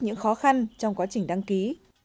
những khó khăn trong quá trình đăng ký